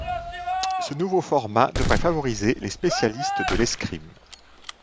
Ce nouveau format devrait favoriser les spécialistes de l'escrime.